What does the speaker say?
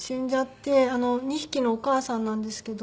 ２匹のお母さんなんですけど。